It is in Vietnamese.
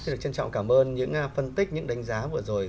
rất trân trọng cảm ơn những phân tích những đánh giá vừa rồi